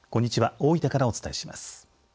大分からお伝えします。